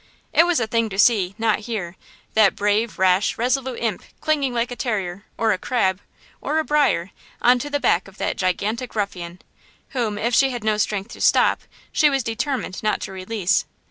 It was a "thing to see, not hear "–that brave, rash, resolute imp clinging like a terrier, or a crab, or a briar, on to the back of that gigantic ruffian, whom, if she had no strength to stop, she was determined not to release.